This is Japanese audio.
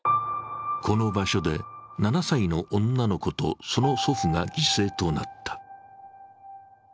この場所で７歳の女の子とその祖父が犠牲となった。